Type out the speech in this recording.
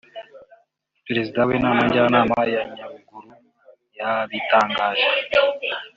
Perezida w’inama Njyanama ya Nyaruguru yabitangaje